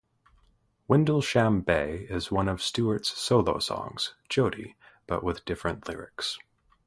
"Wyndlesham Bay" is one of Stewart's solo songs, "Jodie", but with different lyrics.